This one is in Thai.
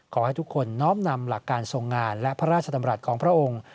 ขอให้ทุกคนน้อมนำหลักการทรงงานและพระราชดำรัฐของพระองค์